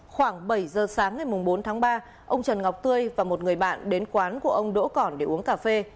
khoảng bảy giờ sáng ngày bốn tháng ba ông trần ngọc tươi và một người bạn đến quán của ông đỗ để uống cà phê